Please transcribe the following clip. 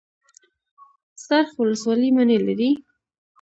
څرخ ولسوالۍ مڼې لري؟